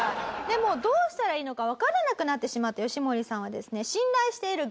でもうどうしたらいいのかわからなくなってしまったヨシモリさんはですね信頼している。